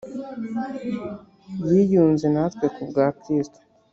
yiyunze na twe ku bwa Kristo,